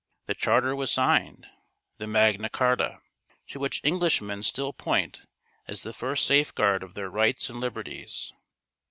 The charter was signed — the Magna Charta, to which Englishmen still point as the first safeguard of their rights and liberties.